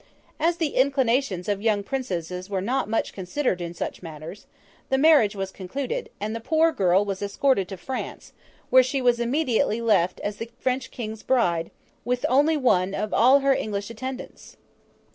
As the inclinations of young Princesses were not much considered in such matters, the marriage was concluded, and the poor girl was escorted to France, where she was immediately left as the French King's bride, with only one of all her English attendants.